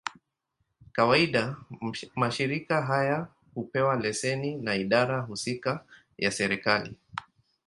Kawaida, mashirika haya hupewa leseni na idara husika ya serikali.